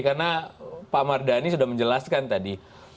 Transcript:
karena pak mardhani sudah menjelaskan tadi